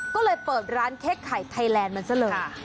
ก็เลยเปิดร้านเค้กไข่ไทยแลนด์มันซะเลย